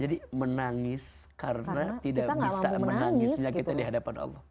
jadi menangis karena tidak bisa menangisnya kita dihadapan allah